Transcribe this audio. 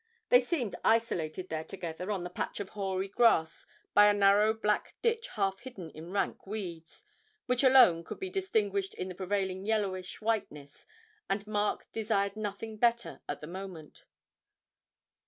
They seemed isolated there together on the patch of hoary grass by a narrow black ditch half hidden in rank weeds, which alone could be distinguished in the prevailing yellowish whiteness, and Mark desired nothing better at that moment.